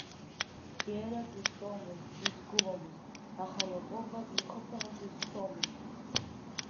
Бериа дызтәомызт, дызгыломызт, аха Лакоба дихыԥаны дызцомызт.